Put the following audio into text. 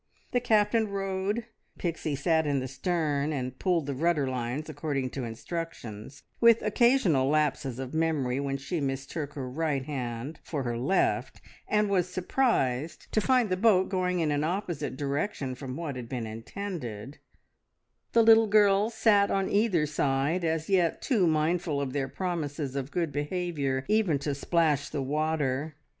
The Captain rowed; Pixie sat in the stern and pulled the rudder lines according to instructions, with occasional lapses of memory when she mistook her right hand for her left, and was surprised to find the boat going in an opposite direction from what had been intended; the little girls sat on either side, as yet too mindful of their promises of good behaviour even to splash the water.